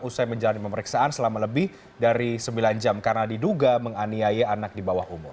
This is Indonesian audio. usai menjalani pemeriksaan selama lebih dari sembilan jam karena diduga menganiaya anak di bawah umur